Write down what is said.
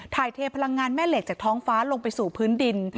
เทพลังงานแม่เหล็กจากท้องฟ้าลงไปสู่พื้นดิน